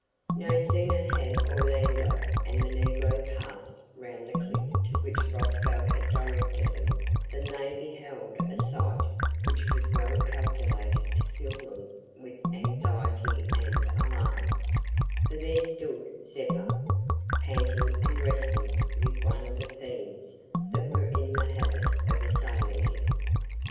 No sooner had Orlando and the negro passed round the cliff to which Rosco had directed them, than they beheld a sight which was well calculated to fill them with anxiety and alarm, for there stood Zeppa, panting and wrestling with one of the fiends that were in the habit of assailing him.